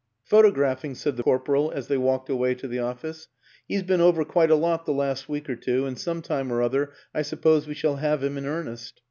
" Photographing," said the corporal, as they walked away to the office. " He's been over quite a lot the last week or two, and some time or other I suppose we shall have him in earnest.